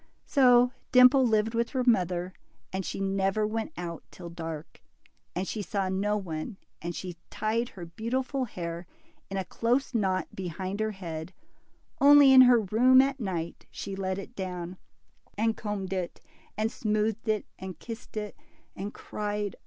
So Dimple lived with her mother, and she never went out till dark, and she saw no one, and she tied her beautiful hair in a close knot behind her head Only in her room at night, she let it down, and combed it, and smoothed it, and kissed it, and cried DIMPLE.